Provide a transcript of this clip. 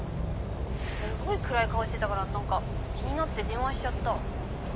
すごい暗い顔してたから何か気になって電話しちゃった。